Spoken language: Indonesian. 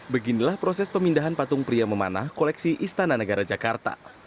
beginilah proses pemindahan patung pria memanah koleksi istana negara jakarta